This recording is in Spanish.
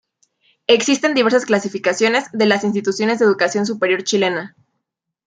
Existen diversas clasificaciones de las Instituciones de Educación Superior Chilena.